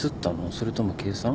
それとも計算？